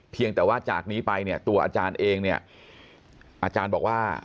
เพียงแต่ว่าจากนี้ไปเนี่ยตัวอาจารย์เองเนี่ยอาจารย์บอกว่า